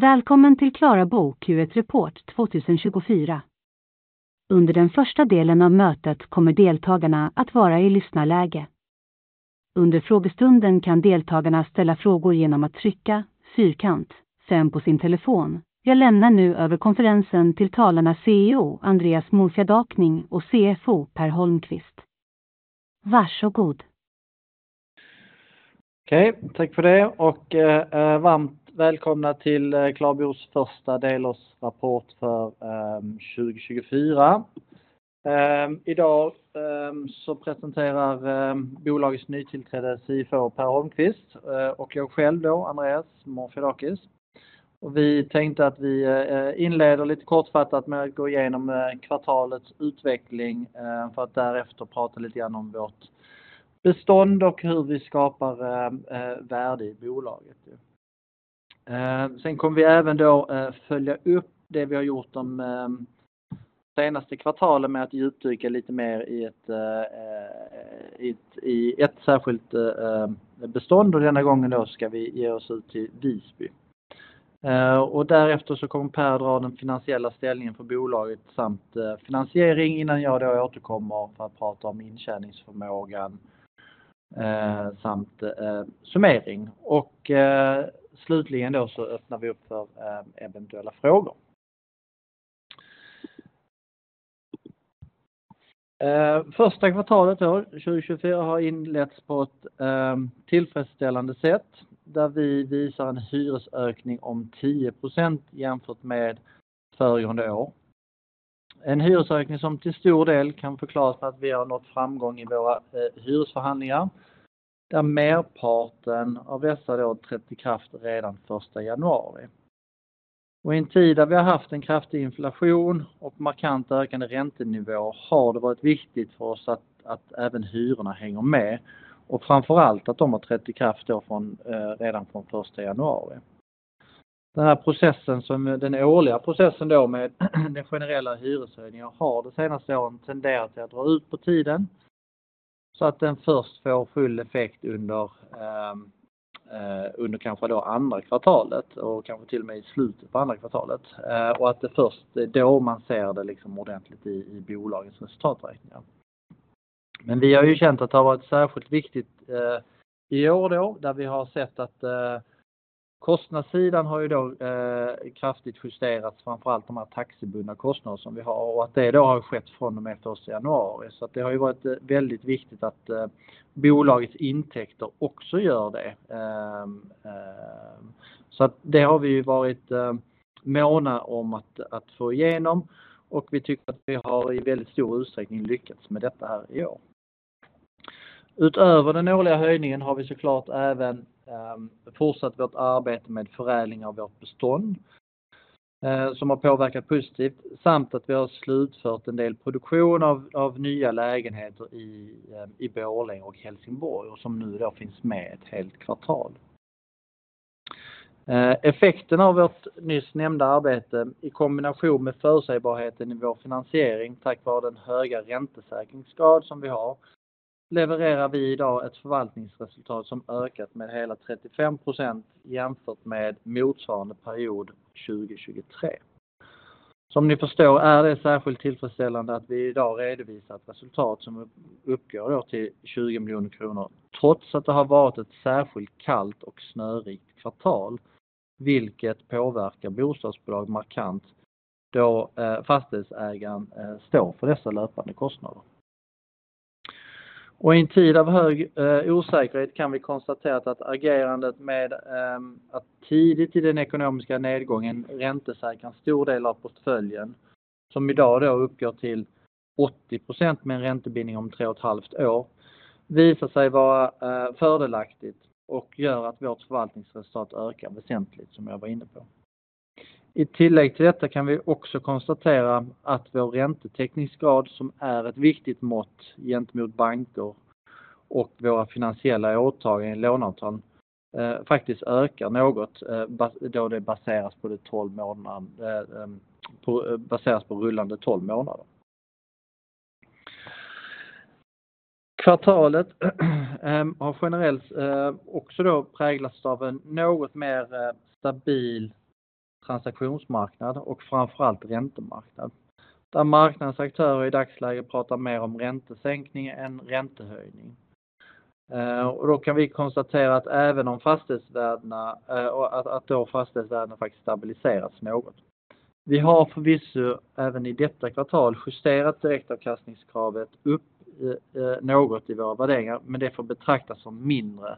Välkommen till Klara Bo Q1 Report 2024. Under den första delen av mötet kommer deltagarna att vara i lyssnarläge. Under frågestunden kan deltagarna ställa frågor genom att trycka fyrkant, sedan på sin telefon. Jag lämnar nu över konferensen till talarna CEO Andreas Morfiadakning och CFO Per Holmqvist. Varsågod! Okej, tack för det och varmt välkomna till Klarabos första delårsrapport för 2024. Idag så presenterar bolagets nytillträdda CFO Per Holmqvist och jag själv då, Andreas Morfiakis. Vi tänkte att vi inleder lite kortfattat med att gå igenom kvartalets utveckling för att därefter prata lite grann om vårt bestånd och hur vi skapar värde i bolaget. Sen kommer vi även då följa upp det vi har gjort de senaste kvartalen med att djupdyka lite mer i ett särskilt bestånd och denna gången då ska vi ge oss ut till Visby. Därefter så kommer Per dra den finansiella ställningen för bolaget samt finansiering innan jag då återkommer för att prata om intjäningsförmågan samt summering. Slutligen då så öppnar vi upp för eventuella frågor. Första kvartalet då, 2024, har inletts på ett tillfredsställande sätt, där vi visar en hyresökning om 10% jämfört med föregående år. En hyresökning som till stor del kan förklaras med att vi har nått framgång i våra hyresförhandlingar, där merparten av dessa trätt i kraft redan första januari. I en tid där vi har haft en kraftig inflation och markant ökande räntenivå, har det varit viktigt för oss att hyrorna hänger med och framför allt att de har trätt i kraft redan från första januari. Den här processen, som den årliga processen med den generella hyreshöjningen, har de senaste åren tenderat till att dra ut på tiden, så att den först får full effekt under andra kvartalet och kanske till och med i slutet på andra kvartalet. Det är först då man ser det ordentligt i bolagets resultaträkningar. Men vi har ju känt att det har varit särskilt viktigt i år då, där vi har sett att kostnadssidan har ju då kraftigt justerats, framför allt de här taxibundna kostnader som vi har och att det då har skett från och med första januari. Så att det har ju varit väldigt viktigt att bolagets intäkter också gör det. Så att det har vi varit måna om att få igenom och vi tycker att vi har i väldigt stor utsträckning lyckats med detta här i år. Utöver den årliga höjningen har vi så klart även fortsatt vårt arbete med förädling av vårt bestånd, som har påverkat positivt, samt att vi har slutfört en del produktion av nya lägenheter i Borlänge och Helsingborg och som nu då finns med ett helt kvartal. Effekten av vårt nyss nämnda arbete i kombination med förutsägbarheten i vår finansiering, tack vare den höga räntesäkringsgrad som vi har, levererar vi idag ett förvaltningsresultat som ökat med hela 35% jämfört med motsvarande period 2023. Som ni förstår är det särskilt tillfredsställande att vi idag redovisar ett resultat som uppgår till 20 miljoner kronor, trots att det har varit ett särskilt kallt och snörikt kvartal, vilket påverkar bostadsbolag markant, då fastighetsägaren står för dessa löpande kostnader. I en tid av hög osäkerhet kan vi konstatera att agerandet med att tidigt i den ekonomiska nedgången räntesäkra en stor del av portföljen, som idag uppgår till 80% med en räntebindning om tre och ett halv år, visar sig vara fördelaktigt och gör att vårt förvaltningsresultat ökar väsentligt, som jag var inne på. I tillägg till detta kan vi också konstatera att vår räntetäckningsgrad, som är ett viktigt mått gentemot banker och våra finansiella åtaganden i låneavtal, faktiskt ökar något, då det baseras på tolv månader, baseras på rullande tolv månader. Kvartalet har generellt också då präglats av en något mer stabil transaktionsmarknad och framför allt räntemarknad, där marknadens aktörer i dagsläget pratar mer om räntesänkning än räntehöjning. Då kan vi konstatera att även om fastighetsvärdena, att då fastighetsvärdena faktiskt stabiliseras något. Vi har förvisso även i detta kvartal justerat direktavkastningskravet upp något i våra värderingar, men det får betraktas som mindre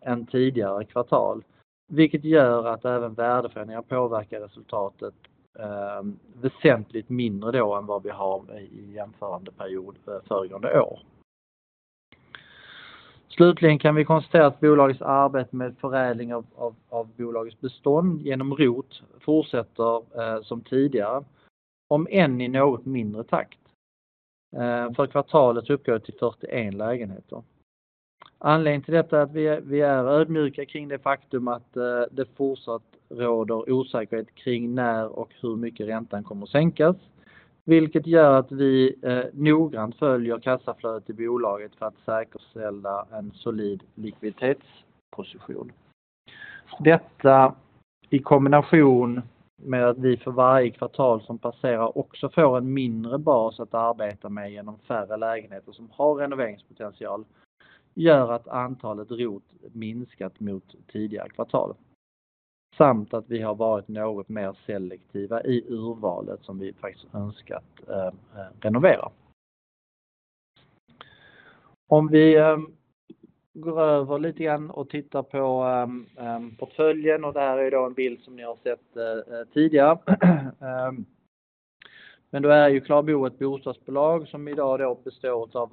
än tidigare kvartal, vilket gör att även värdeförändringar påverkar resultatet väsentligt mindre då än vad vi har i jämförande period föregående år. Slutligen kan vi konstatera att bolagets arbete med förädling av bolagets bestånd genom ROT fortsätter som tidigare, om än i något mindre takt. För kvartalet uppgår det till 41 lägenheter. Anledningen till detta är att vi är ödmjuka kring det faktum att det fortsatt råder osäkerhet kring när och hur mycket räntan kommer att sänkas, vilket gör att vi noggrant följer kassaflödet i bolaget för att säkerställa en solid likviditetsposition. Detta i kombination med att vi för varje kvartal som passerar också får en mindre bas att arbeta med igenom färre lägenheter som har renoveringspotential, gör att antalet ROT minskat mot tidigare kvartal. Samt att vi har varit något mer selektiva i urvalet som vi faktiskt önskar att renovera. Om vi går över lite grann och tittar på portföljen och det här är då en bild som ni har sett tidigare. Men då är ju Clarbo ett bostadsbolag som idag då består av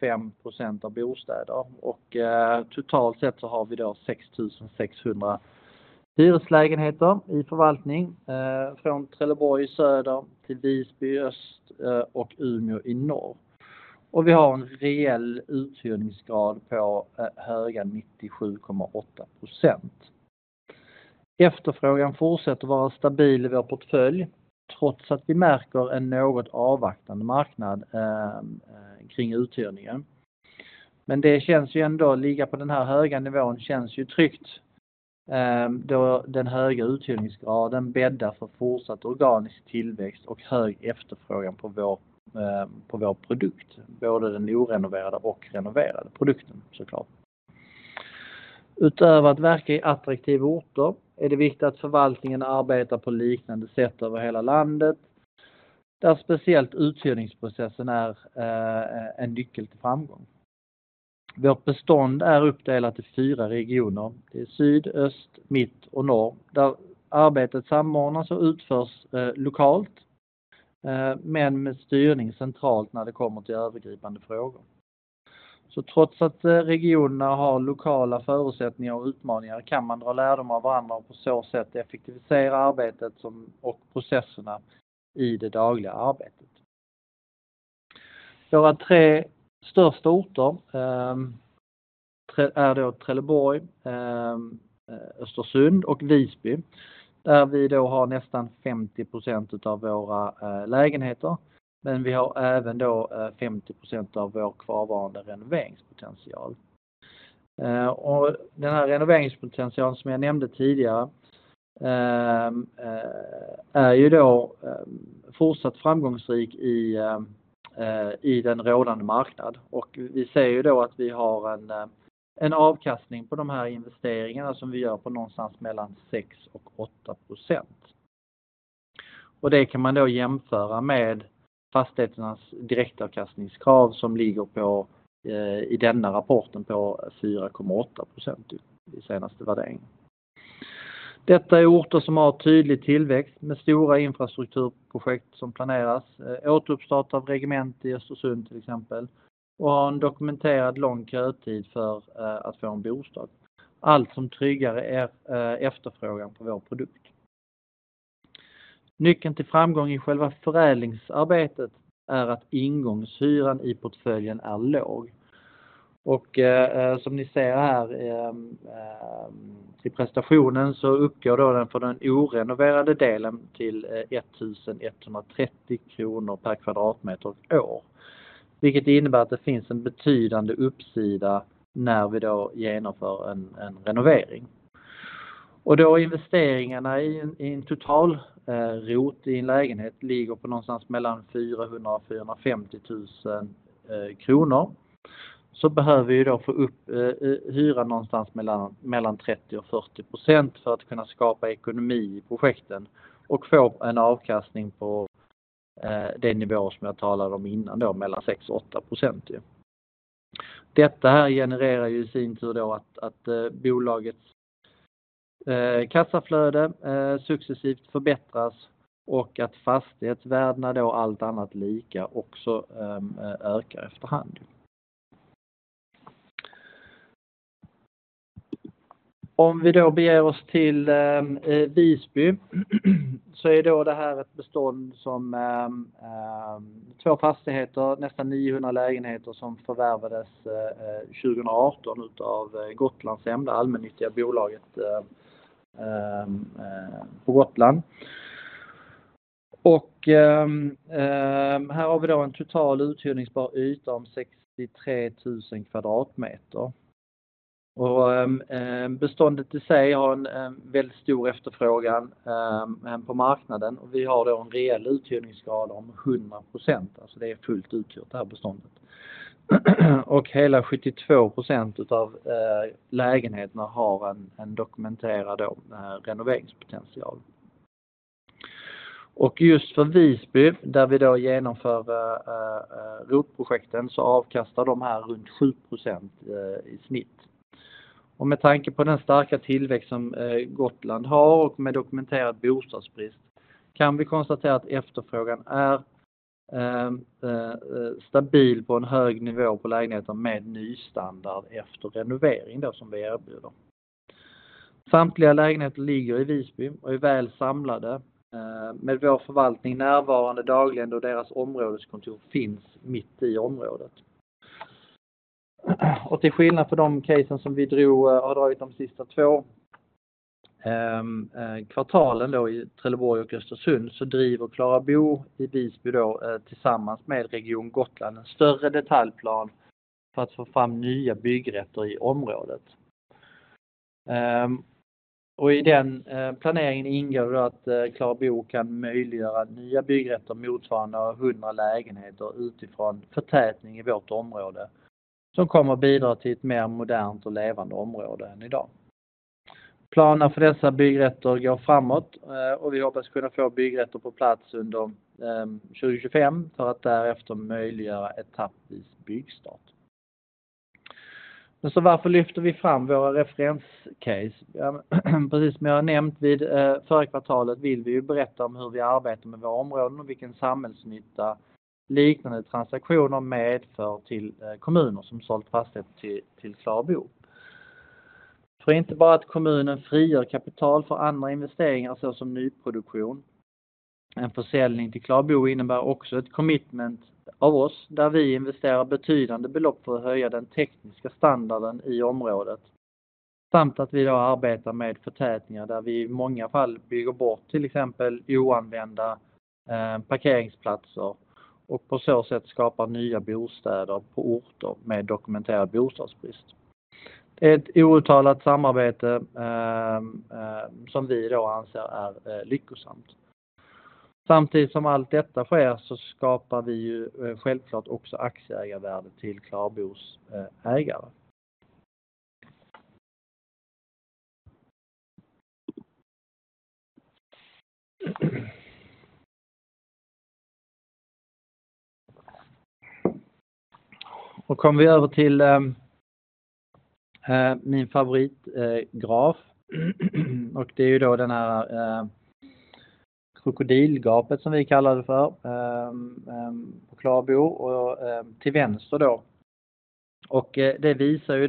85% av bostäder. Och totalt sett så har vi då 6,600 hyreslägenheter i förvaltning från Trelleborg i söder till Visby i öst och Umeå i norr. Vi har en reell uthyrningsgrad på höga 97,8%. Efterfrågan fortsätter vara stabil i vår portfölj, trots att vi märker en något avvaktande marknad kring uthyrningen. Men det känns ändå att ligga på den här höga nivån känns tryggt, då den höga uthyrningsgraden bäddar för fortsatt organisk tillväxt och hög efterfrågan på vår produkt, både den orenoverade och renoverade produkten så klart. Utöver att verka i attraktiva orter är det viktigt att förvaltningen arbetar på liknande sätt över hela landet, där speciellt uthyrningsprocessen är en nyckel till framgång. Vårt bestånd är uppdelat i fyra regioner. Det är syd, öst, mitt och norr, där arbetet samordnas och utförs lokalt, men med styrning centralt när det kommer till övergripande frågor. Så trots att regionerna har lokala förutsättningar och utmaningar, kan man dra lärdom av varandra och på så sätt effektivisera arbetet och processerna i det dagliga arbetet. Våra tre största orter är då Trelleborg, Östersund och Visby, där vi då har nästan 50% av våra lägenheter, men vi har även då 50% av vår kvarvarande renoveringspotential. Och den här renoveringspotentialen, som jag nämnde tidigare, är ju då fortsatt framgångsrik i den rådande marknaden. Och vi ser ju då att vi har en avkastning på de här investeringarna som vi gör på någonstans mellan 6% och 8%. Och det kan man då jämföra med fastigheternas direktavkastningskrav som ligger på, i denna rapporten, på 4,8% i senaste värdering. Detta är orter som har tydlig tillväxt med stora infrastrukturprojekt som planeras, återuppstart av regemente i Östersund, till exempel, och har en dokumenterad lång kötid för att få en bostad. Allt som tryggar efterfrågan på vår produkt. Nyckeln till framgång i själva förädlingsarbetet är att ingångshyran i portföljen är låg. Och som ni ser här i presentationen så uppgår den för den orenoverade delen till 1 130 kronor per kvadratmeter och år, vilket innebär att det finns en betydande uppsida när vi då genomför en renovering. Och då investeringarna i en total ROT i en lägenhet ligger på någonstans mellan 400,000 och 450,000 kronor, så behöver vi då få upp hyran någonstans mellan 30% och 40% för att kunna skapa ekonomi i projekten och få en avkastning på den nivå som jag talade om innan då, mellan 6% och 8%. Detta här genererar ju i sin tur då att bolagets kassaflöde successivt förbättras och att fastighetsvärdena då allt annat lika, också ökar efter hand. Om vi då beger oss till Visby, så är då det här ett bestånd som, två fastigheter, nästan 900 lägenheter som förvärvades 2018 av Gotlandshem, det allmännyttiga bolaget, på Gotland. Och här har vi då en total uthyrningsbar yta om 63,000 kvadratmeter. Och beståndet i sig har en väldigt stor efterfrågan på marknaden och vi har då en reell uthyrningsgrad om 100%. Alltså, det är fullt uthyrt, det här beståndet. Och hela 72% utav lägenheterna har en dokumenterad renoveringspotential. Och just för Visby, där vi då genomför ROT-projekten, så avkastar de här runt 7% i snitt. Och med tanke på den starka tillväxt som Gotland har och med dokumenterad bostadsbrist, kan vi konstatera att efterfrågan är stabil på en hög nivå på lägenheter med nystandard efter renovering då, som vi erbjuder. Samtliga lägenheter ligger i Visby och är väl samlade med vår förvaltning närvarande dagligen då deras områdeskontor finns mitt i området. Till skillnad från de casen som vi dragit de sista två kvartalen i Trelleborg och Östersund, så driver Klara Bo i Visby tillsammans med Region Gotland en större detaljplan för att få fram nya byggrätter i området. I den planeringen ingår det att Klara Bo kan möjliggöra nya byggrätter motsvarande hundra lägenheter utifrån förtätning i vårt område, som kommer att bidra till ett mer modernt och levande område än idag. Planerna för dessa byggrätter går framåt och vi hoppas kunna få byggrätter på plats under 2025 för att därefter möjliggöra etappvis byggstart. Varför lyfter vi fram våra referenscase? Precis som jag nämnde vid förra kvartalet vill vi berätta om hur vi arbetar med våra områden och vilken samhällsnytta liknande transaktioner medför till kommuner som sålt fastigheter till Klarabo. För inte bara att kommunen frigör kapital för andra investeringar, så som nyproduktion. En försäljning till Klarabo innebär också ett commitment av oss, där vi investerar betydande belopp för att höja den tekniska standarden i området. Samt att vi då arbetar med förtätningar, där vi i många fall bygger bort, till exempel, oanvända parkeringsplatser och på så sätt skapa nya bostäder på orter med dokumenterad bostadsbrist. Det är ett outtalat samarbete som vi då anser är lyckosamt. Samtidigt som allt detta sker så skapar vi ju självklart också aktieägarvärde till Klarabos ägare. Då kommer vi över till min favoritgraf. Det är ju då den här krokodilgapet som vi kallar det för, Klarabo och till vänster då. Det visar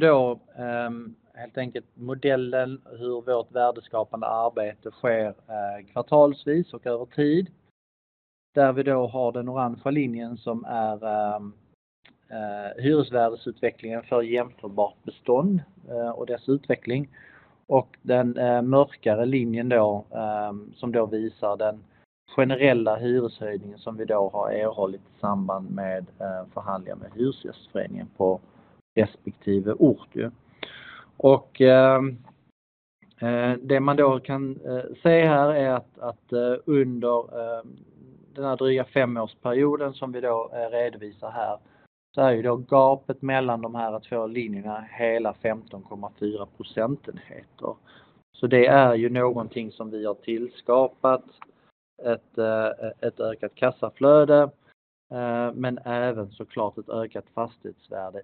helt enkelt modellen hur vårt värdeskapande arbete sker kvartalsvis och över tid, där vi har den orangea linjen som är hyresvärdesutvecklingen för jämförbart bestånd och dess utveckling. Den mörkare linjen visar den generella hyreshöjningen som vi har erhållit i samband med förhandlingar med Hyresgästföreningen på respektive ort. Det man kan se här är att under den här dryga femårsperioden som vi redovisar här, så är gapet mellan de här två linjerna hela 15,4 procentenheter. Det är någonting som vi har tillskapat, ett ökat kassaflöde, men även ett ökat fastighetsvärde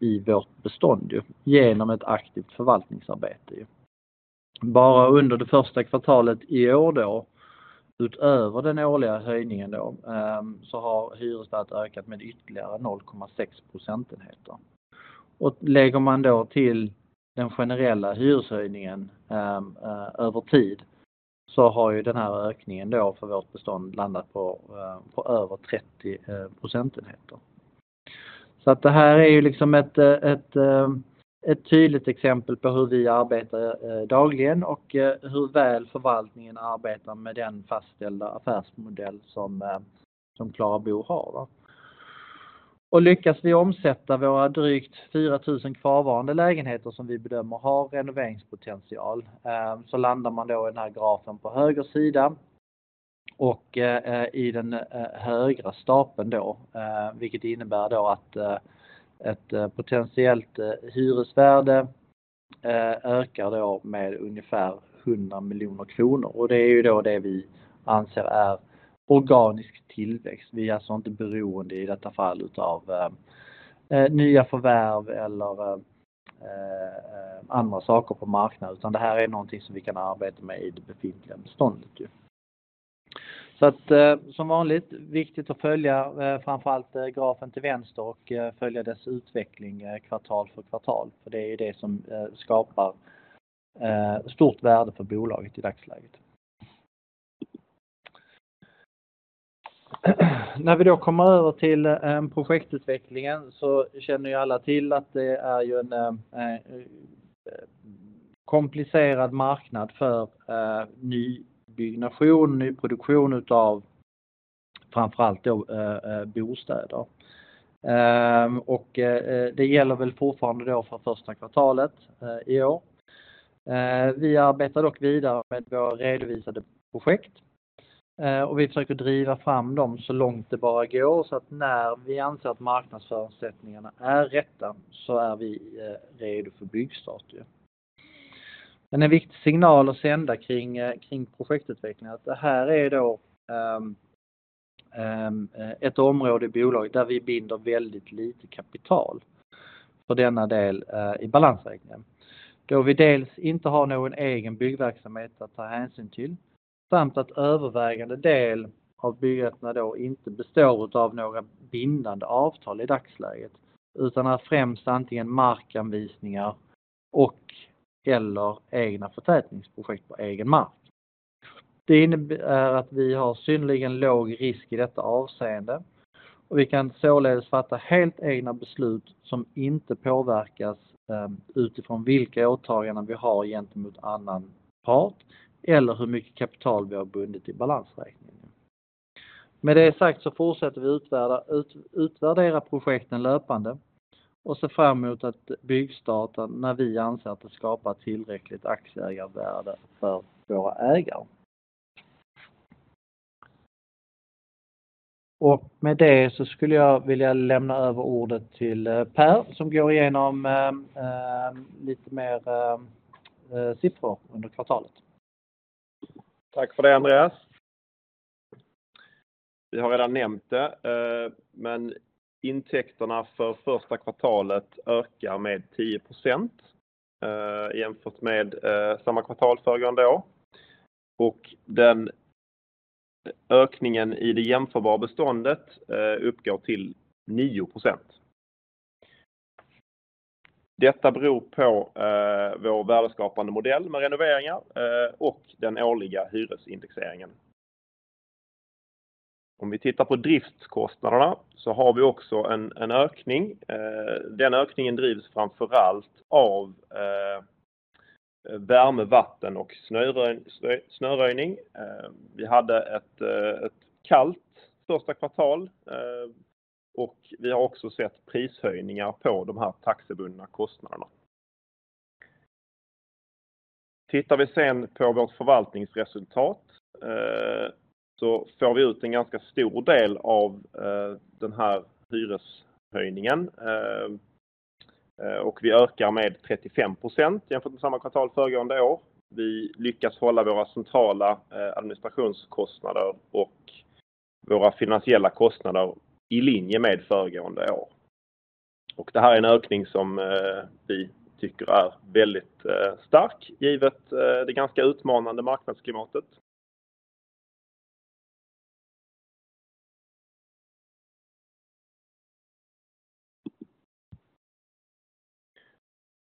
i vårt bestånd igenom ett aktivt förvaltningsarbete. Bara under det första kvartalet i år, utöver den årliga höjningen, så har hyresvärdet ökat med ytterligare 0,6 procentenheter. Lägger man till den generella hyreshöjningen över tid, så har den här ökningen för vårt bestånd landat på över 30 procentenheter. Det här är ett tydligt exempel på hur vi arbetar dagligen och hur väl förvaltningen arbetar med den fastställda affärsmodell som Klara Bo har. Lyckas vi omsätta våra drygt fyratusen kvarvarande lägenheter som vi bedömer har renoveringspotential, så landar man i den här grafen på höger sida och i den högra stapeln. Det innebär att ett potentiellt hyresvärde ökar med ungefär 100 miljoner kronor. Det är det vi anser är organisk tillväxt. Vi är alltså inte beroende i detta fall av nya förvärv eller andra saker på marknaden, utan det här är något som vi kan arbeta med i det befintliga beståndet. Så att som vanligt, viktigt att följa, framför allt grafen till vänster och följa dess utveckling kvartal för kvartal, för det är det som skapar stort värde för bolaget i dagsläget. När vi då kommer över till projektutvecklingen så känner alla till att det är en komplicerad marknad för nybyggnation, nyproduktion av framför allt då bostäder. Och det gäller väl fortfarande då för första kvartalet i år. Vi arbetar dock vidare med våra redovisade projekt, och vi försöker driva fram dem så långt det bara går, så att när vi anser att marknadsförutsättningarna är rätta, så är vi redo för byggstart. En viktig signal att sända kring projektutveckling, att det här är ett område i bolaget där vi binder väldigt lite kapital för denna del i balansräkningen. Då vi dels inte har någon egen byggverksamhet att ta hänsyn till, samt att övervägande del av byggrätterna då inte består av några bindande avtal i dagsläget, utan är främst antingen markanvisningar och eller egna förtätningsprojekt på egen mark. Det innebär att vi har synnerligen låg risk i detta avseende och vi kan således fatta helt egna beslut som inte påverkas utifrån vilka åtaganden vi har gentemot annan part eller hur mycket kapital vi har bundit i balansräkningen. Med det sagt så fortsätter vi utvärdera projekten löpande och ser fram mot att byggstarta när vi anser att det skapar tillräckligt aktieägarvärde för våra ägare. Och med det så skulle jag vilja lämna över ordet till Per, som går igenom lite mer siffror under kvartalet. Tack för det, Andreas! Vi har redan nämnt det, men intäkterna för första kvartalet ökar med 10% jämfört med samma kvartal föregående år. Och den ökningen i det jämförbara beståndet uppgår till 9%. Detta beror på vår värdeskapande modell med renoveringar och den årliga hyresindexeringen. Om vi tittar på driftskostnaderna så har vi också en ökning. Den ökningen drivs framför allt av värme, vatten och snöröjning. Vi hade ett kallt första kvartal och vi har också sett prishöjningar på de här taxebundna kostnaderna. Tittar vi sedan på vårt förvaltningsresultat så får vi ut en ganska stor del av den här hyreshöjningen. Och vi ökar med 35% jämfört med samma kvartal föregående år. Vi lyckas hålla våra centrala administrationskostnader och våra finansiella kostnader i linje med föregående år. Och det här är en ökning som vi tycker är väldigt stark, givet det ganska utmanande marknadsklimatet.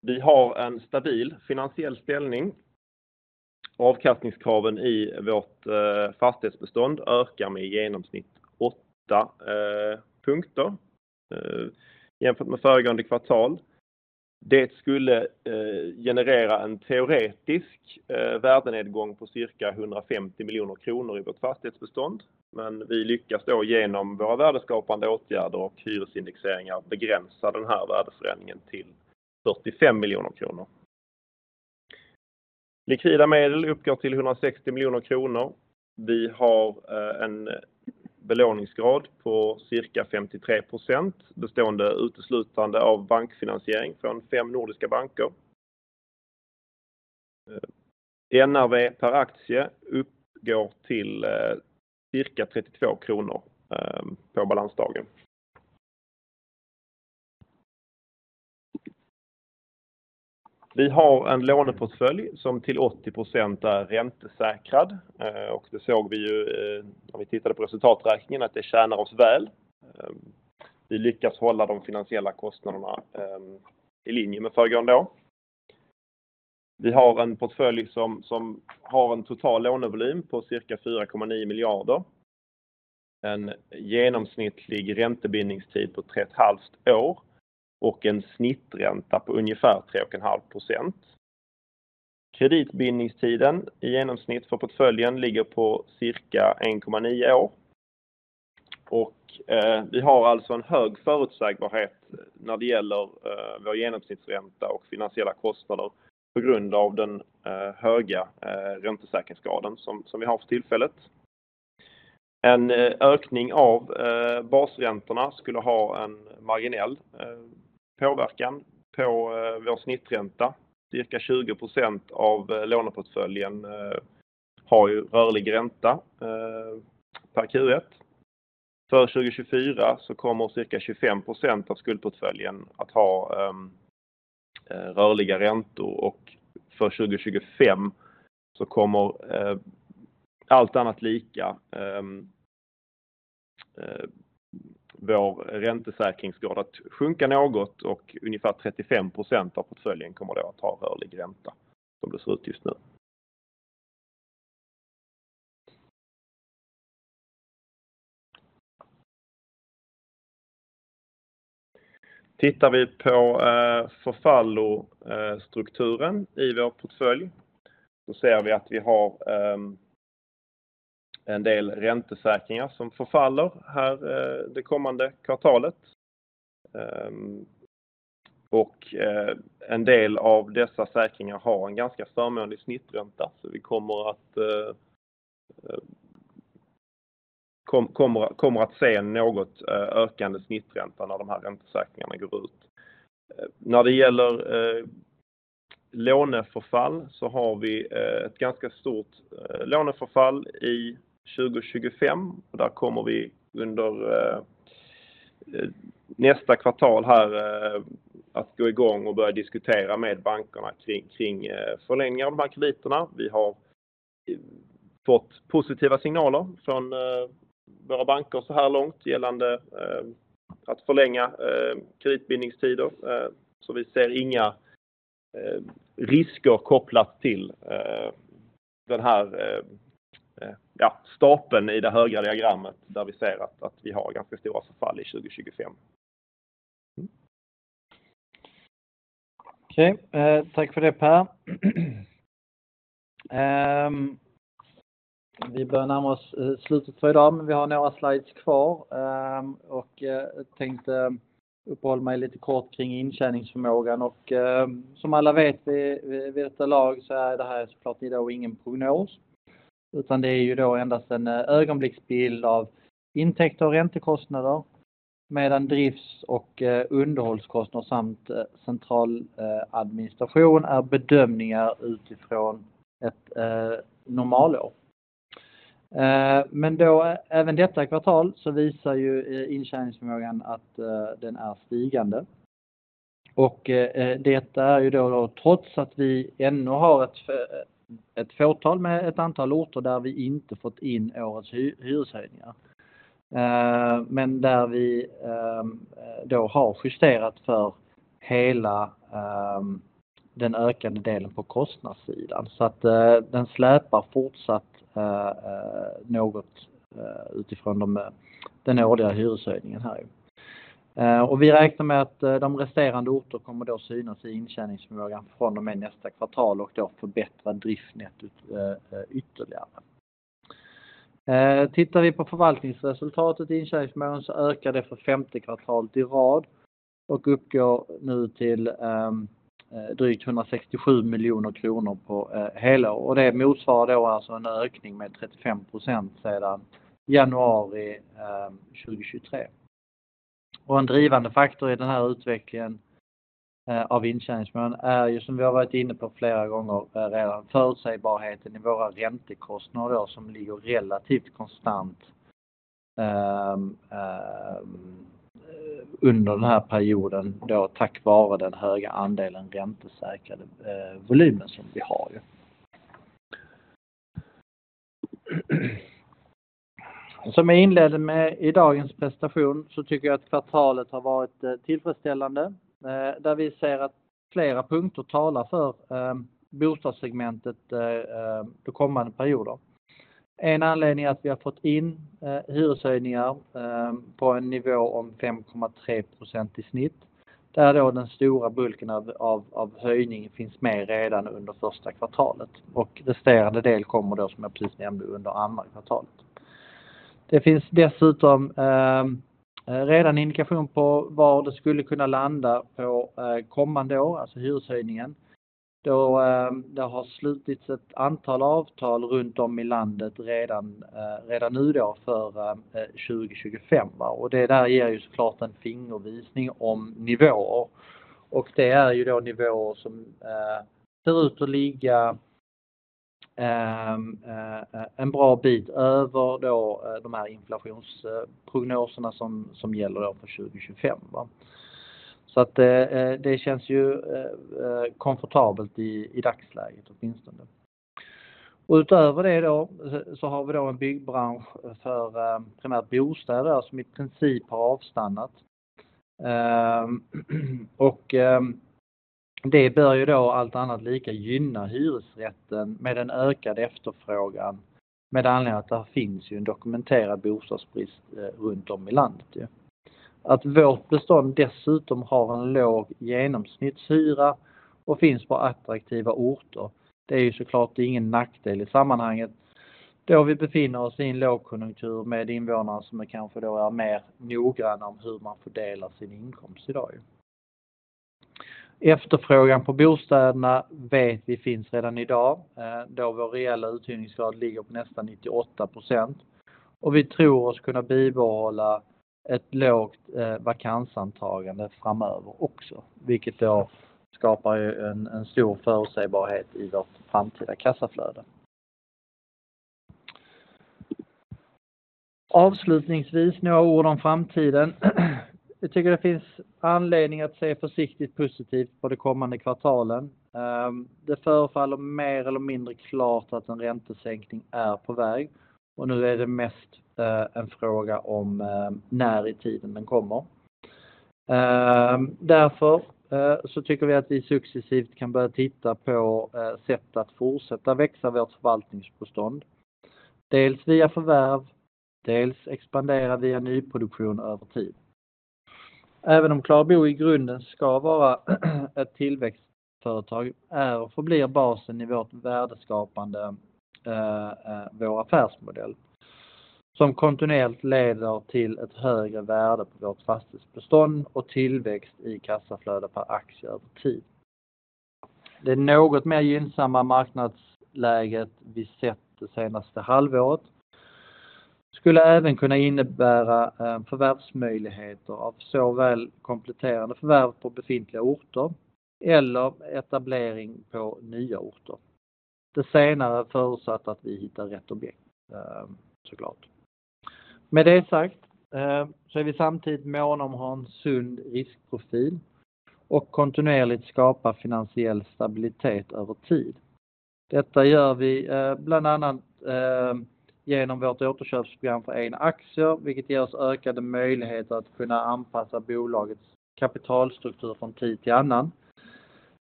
Vi har en stabil finansiell ställning. Avkastningskraven i vårt fastighetsbestånd ökar med i genomsnitt åtta punkter jämfört med föregående kvartal. Det skulle generera en teoretisk värdenedgång på cirka 150 miljoner kronor i vårt fastighetsbestånd, men vi lyckas genom våra värdeskapande åtgärder och hyresindexeringar begränsa den här värdeförändringen till 45 miljoner kronor. Likvida medel uppgår till 160 miljoner kronor. Vi har en belåningsgrad på cirka 53%, bestående uteslutande av bankfinansiering från fem nordiska banker. NAV per aktie uppgår till cirka 32 kronor på balansdagen. Vi har en låneportfölj som till 80% är räntesäkrad. Och det såg vi ju när vi tittade på resultaträkningen, att det tjänar oss väl. Vi lyckas hålla de finansiella kostnaderna i linje med föregående år. Vi har en portfölj som har en total lånevolym på cirka 4,9 miljarder, en genomsnittlig räntebindningstid på tre och ett halvt år och en snittränta på ungefär 3,5%. Kreditbindningstiden i genomsnitt för portföljen ligger på cirka 1,9 år. Vi har alltså en hög förutsägbarhet när det gäller vår genomsnittsränta och finansiella kostnader på grund av den höga räntesäkringsgraden som vi har för tillfället. En ökning av basräntorna skulle ha en marginell påverkan på vår snittränta. Cirka 20% av låneportföljen har rörlig ränta per Q1. För 2024 så kommer cirka 25% av skuldportföljen att ha rörliga räntor och för 2025 så kommer, allt annat lika, vår räntesäkringsgrad att sjunka något och ungefär 35% av portföljen kommer då att ha rörlig ränta, som det ser ut just nu. Tittar vi på förfallostrukturen i vår portfölj, så ser vi att vi har en del räntesäkringar som förfaller här det kommande kvartalet. Och en del av dessa säkringar har en ganska förmånlig snittränta. Så vi kommer att se en något ökande snittränta när de här räntesäkringarna går ut. När det gäller låneförfall så har vi ett ganska stort låneförfall i 2025. Där kommer vi under nästa kvartal här att gå igång och börja diskutera med bankerna kring förlängningar av de här krediterna. Vi har fått positiva signaler från våra banker såhär långt gällande att förlänga kreditbindningstider. Så vi ser inga risker kopplat till den här stapeln i det högra diagrammet där vi ser att vi har ganska stora förfall i 2025. Okej, tack för det Per. Vi börjar närma oss slutet för idag, men vi har några slides kvar. Och tänkte uppehålla mig lite kort kring intjäningsförmågan. Och som alla vet vid detta lag så är det här så klart idag ingen prognos, utan det är ju då endast en ögonblicksbild av intäkter och räntekostnader, medan drifts- och underhållskostnader samt centraladministration är bedömningar utifrån ett normalår. Men då även detta kvartal så visar ju intjäningsförmågan att den är stigande. Och detta är ju då trots att vi ännu har ett fåtal med ett antal orter där vi inte fått in årets hyreshöjningar. Men där vi då har justerat för hela den ökande delen på kostnadssidan. Så att den släpar fortsatt något utifrån den årliga hyreshöjningen här. Vi räknar med att de resterande orterna kommer att synas i intjäningsförmågan från och med nästa kvartal och förbättra driftnettot ytterligare. Tittar vi på förvaltningsresultatet intjäningsförmågan så ökar det för femte kvartalet i rad och uppgår nu till drygt 167 miljoner kronor på helår. Det motsvarar en ökning med 35% sedan januari 2023. En drivande faktor i utvecklingen av intjäningsförmågan är, som vi har varit inne på flera gånger, förutsägbarheten i våra räntekostnader som ligger relativt konstant under perioden, tack vare den höga andelen räntesäkrade volymen som vi har. Som jag inledde med i dagens presentation så tycker jag att kvartalet har varit tillfredsställande, där vi ser att flera punkter talar för bostadssegmentet de kommande perioderna. En anledning är att vi har fått in hyreshöjningar på en nivå om 5,3% i snitt, där då den stora bulken av höjningen finns med redan under första kvartalet och resterande del kommer då, som jag precis nämnde, under andra kvartalet. Det finns dessutom redan indikation på var det skulle kunna landa på kommande år, alltså hyreshöjningen. Då det har slutits ett antal avtal runt om i landet redan nu då för 2025. Det där ger ju så klart en fingervisning om nivåer och det är ju då nivåer som ser ut att ligga en bra bit över då de här inflationsprognoserna som gäller för 2025. Så att det känns ju komfortabelt i dagsläget åtminstone. Utöver det då, så har vi då en byggbransch för primärt bostäder som i princip har avstannat. Och det bör ju då allt annat lika gynna hyresrätten med en ökad efterfrågan, med anledning att det finns ju en dokumenterad bostadsbrist runtom i landet ju. Att vårt bestånd dessutom har en låg genomsnittshyra och finns på attraktiva orter, det är ju så klart ingen nackdel i sammanhanget, då vi befinner oss i en lågkonjunktur med invånare som kanske då är mer noggranna om hur man fördelar sin inkomst i dag ju. Efterfrågan på bostäderna vet vi finns redan i dag, då vår reella uthyrningsgrad ligger på nästan 98% och vi tror oss kunna bibehålla ett lågt vakansantagande framöver också, vilket då skapar ju en stor förutsägbarhet i vårt framtida kassaflöde. Avslutningsvis, några ord om framtiden. Jag tycker det finns anledning att se försiktigt positivt på det kommande kvartalet. Det förefaller mer eller mindre klart att en räntesänkning är på väg och nu är det mest en fråga om när i tiden den kommer. Därför så tycker vi att vi successivt kan börja titta på sätt att fortsätta växa vårt förvaltningsbestånd. Dels via förvärv, dels expandera via nyproduktion över tid. Även om Clarbo i grunden ska vara ett tillväxtföretag, är och förblir basen i vårt värdeskapande, vår affärsmodell, som kontinuerligt leder till ett högre värde på vårt fastighetsbestånd och tillväxt i kassaflöde per aktie över tid. Det något mer gynnsamma marknadsläget vi sett det senaste halvåret, skulle även kunna innebära förvärvsmöjligheter av såväl kompletterande förvärv på befintliga orter eller etablering på nya orter. Det senare förutsatt att vi hittar rätt objekt, så klart. Med det sagt så är vi samtidigt måna om att ha en sund riskprofil och kontinuerligt skapa finansiell stabilitet över tid. Detta gör vi bland annat genom vårt återköpsprogram för egna aktier, vilket ger oss ökade möjligheter att kunna anpassa bolagets kapitalstruktur från tid till annan.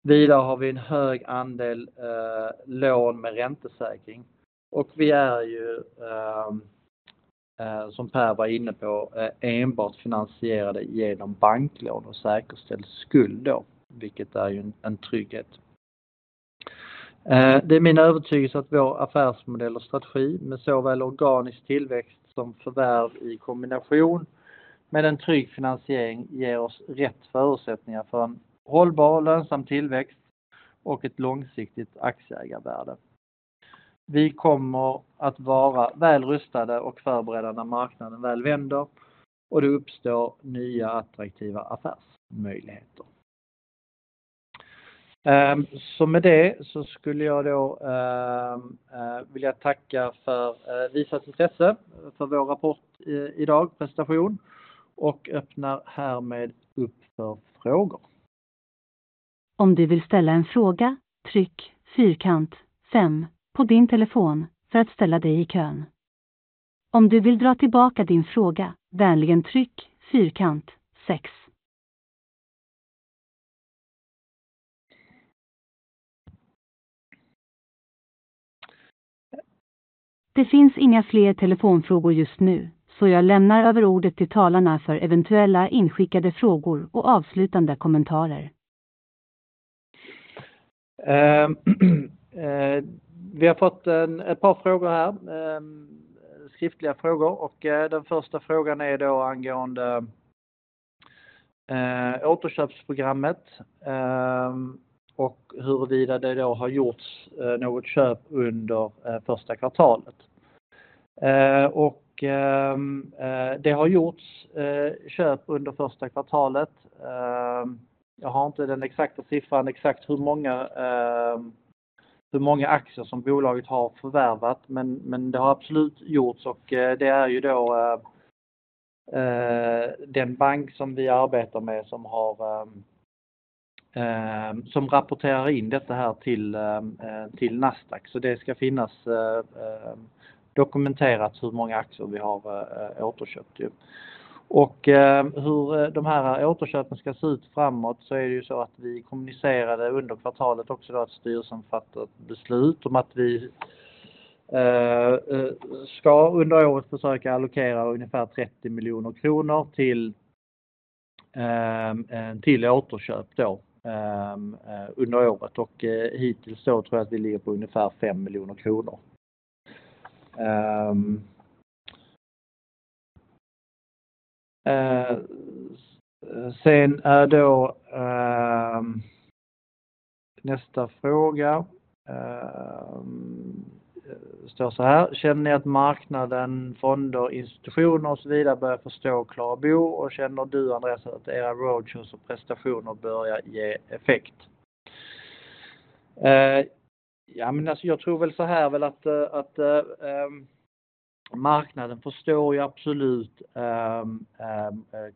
Vidare har vi en hög andel lån med räntesäkring och vi är, som Per var inne på, enbart finansierade igenom banklån och säkerställd skuld, vilket är en trygghet. Det är min övertygelse att vår affärsmodell och strategi med såväl organisk tillväxt som förvärv i kombination med en trygg finansiering ger oss rätt förutsättningar för en hållbar och lönsam tillväxt och ett långsiktigt aktieägarvärde. Vi kommer att vara väl rustade och förberedda när marknaden väl vänder och det uppstår nya attraktiva affärsmöjligheter. Så med det så skulle jag då vilja tacka för visat intresse för vår rapport idag, presentation, och öppnar härmed upp för frågor. Om du vill ställa en fråga, tryck fyrkant fem på din telefon för att ställa dig i kön. Om du vill dra tillbaka din fråga, vänligen tryck fyrkant sex. Det finns inga fler telefonfrågor just nu, så jag lämnar över ordet till talarna för eventuella inskickade frågor och avslutande kommentarer. Vi har fått ett par frågor här, skriftliga frågor och den första frågan är angående återköpsprogrammet och huruvida det har gjorts något köp under första kvartalet. Det har gjorts köp under första kvartalet. Jag har inte den exakta siffran, exakt hur många aktier som bolaget har förvärvat, men det har absolut gjorts och det är den bank som vi arbetar med som rapporterar in detta här till Nasdaq. Så det ska finnas dokumenterat hur många aktier vi har återköpt. Hur de här återköpen ska se ut framåt, så är det så att vi kommunicerade under kvartalet också att styrelsen fattat beslut om att vi ska under året försöka allokera ungefär 30 miljoner kronor till återköp under året. Och hittills så tror jag att vi ligger på ungefär fem miljoner kronor. Sen är då nästa fråga, står såhär: Känner ni att marknaden, fonder, institutioner och så vidare börjar förstå Klabo? Och känner du, Andreas, att era roadshows och prestationer börjar ge effekt? Ja, men jag tror väl såhär att marknaden förstår ju absolut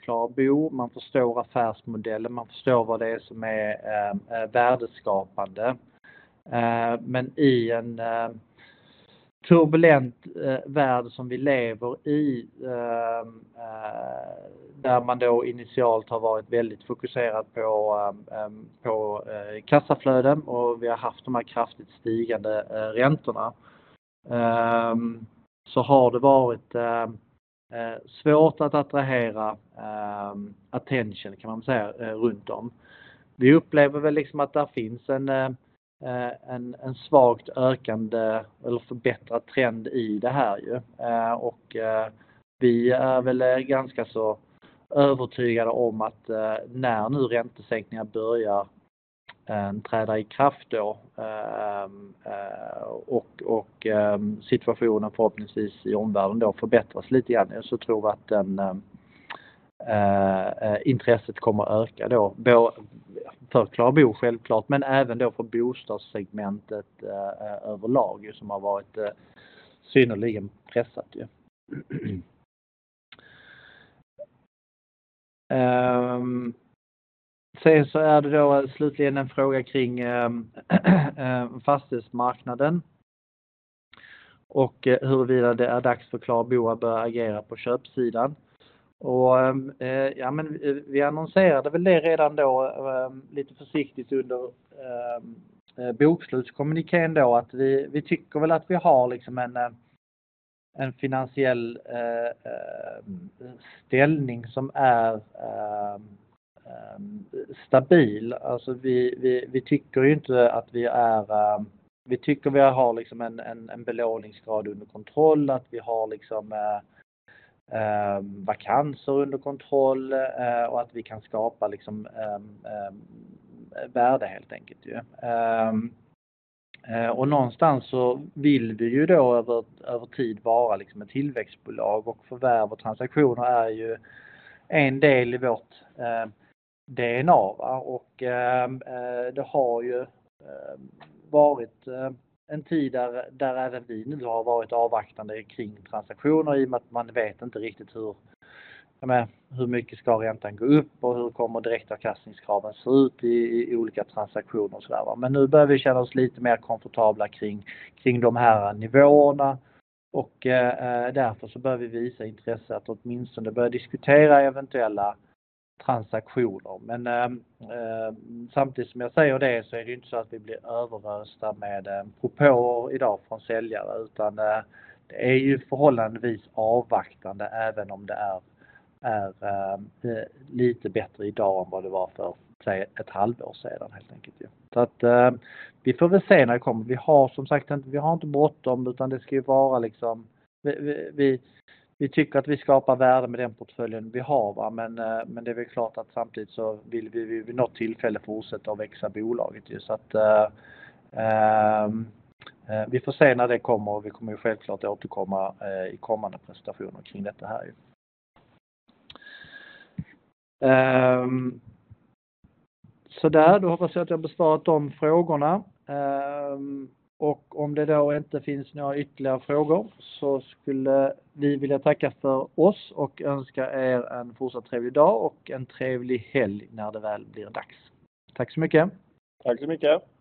Klabo. Man förstår affärsmodellen, man förstår vad det är som är värdeskapande. Men i en turbulent värld som vi lever i, där man då initialt har varit väldigt fokuserad på kassaflöden och vi har haft de här kraftigt stigande räntorna, så har det varit svårt att attrahera attention, kan man säga, runt dem. Vi upplever väl att det finns en svagt ökande eller förbättrad trend i det här ju. Och vi är väl ganska så övertygade om att när nu räntesänkningar börjar träda i kraft, och situationen förhoppningsvis i omvärlden förbättras lite grann, så tror vi att intresset kommer att öka. Både för Klabo, självklart, men även för bostadssegmentet överlag, som har varit synnerligen pressat ju. Sen så är det slutligen en fråga kring fastighetsmarknaden och huruvida det är dags för Klabo att börja agera på köpsidan. Ja, men vi annonserade väl det redan lite försiktigt under bokslutskommunikén att vi tycker väl att vi har en finansiell ställning som är stabil. Alltså, vi tycker inte att vi är... Vi tycker vi har en belåningsgrad under kontroll, att vi har vakanser under kontroll och att vi kan skapa värde helt enkelt. Och någonstans så vill vi ju då över tid vara ett tillväxtbolag och förvärv och transaktioner är ju en del i vårt DNA. Och det har ju varit en tid där även vi nu har varit avvaktande kring transaktioner i och med att man vet inte riktigt hur mycket ska räntan gå upp och hur kommer direktavkastningskraven se ut i olika transaktioner och sådär. Men nu börjar vi känna oss lite mer komfortabla kring de här nivåerna och därför så bör vi visa intresse att åtminstone börja diskutera eventuella transaktioner. Men samtidigt som jag säger det, så är det inte så att vi blir överösta med propåer i dag från säljare, utan det är ju förhållandevis avvaktande, även om det är lite bättre i dag än vad det var för, säg ett halvår sedan, helt enkelt. Så att vi får väl se när det kommer. Vi har som sagt, vi har inte bråttom, utan det ska ju vara liksom... Vi tycker att vi skapar värde med den portföljen vi har. Men det är väl klart att samtidigt så vill vi vid något tillfälle fortsätta att växa bolaget. Så att vi får se när det kommer och vi kommer självklart återkomma i kommande presentationer kring detta här. Sådär, då hoppas jag att jag har besvarat de frågorna. Och om det då inte finns några ytterligare frågor, så skulle vi vilja tacka för oss och önska er en fortsatt trevlig dag och en trevlig helg när det väl blir dags. Tack så mycket! Tack så mycket.